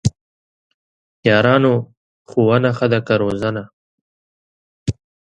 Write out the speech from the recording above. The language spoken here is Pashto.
یارانو ! ښوونه ښه ده که روزنه؟!